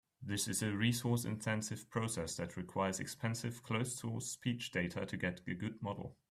This is a resource-intensive process that requires expensive closed-source speech data to get a good model.